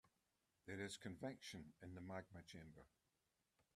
There is convection in the magma chamber.